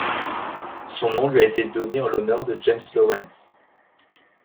Son nom lui a été donné en l'honneur de James Lawrence.